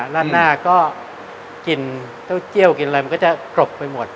ราดหน้าก็กลิ่นข้าวเกลี้ยวกินอะไรมันก็จะกรบไปหมด